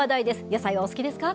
野菜はお好きですか？